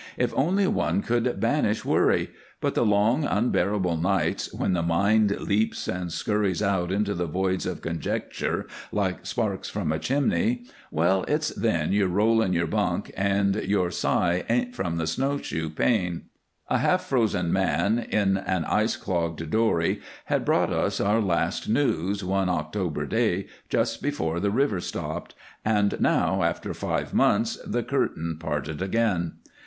If only one could banish worry; but the long, unbearable nights when the mind leaps and scurries out into the voids of conjecture like sparks from a chimney well, it's then you roll in your bunk and your sigh ain't from the snow shoe pain. A half frozen man in an ice clogged dory had brought us our last news, one October day, just before the river stopped, and now, after five months, the curtain parted again.